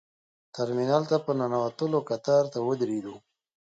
ترمینل ته په ننوتلو کتار ته ودرېدو.